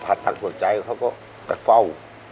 ตัดสินใจเขาก็ไปเฝ้า